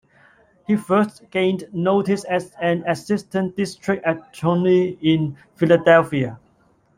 He first gained notice as an assistant district attorney in Philadelphia.